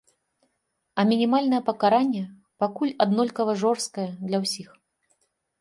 А мінімальнае пакаранне пакуль аднолькава жорсткае для ўсіх.